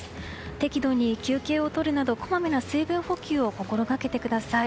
適度に休憩をとるなどこまめな水分補給を心がけてください。